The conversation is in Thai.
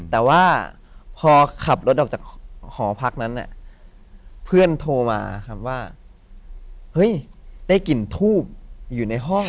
แต่ว่าพอกลับรถออกจากโพล่ภพรั้งนั้นเนี่ยเพื่อนโทรมาแบบว่าเฮ้ยได้กลิ่นทูบอยู่ในห้อง